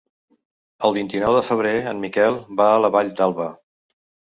El vint-i-nou de febrer en Miquel va a la Vall d'Alba.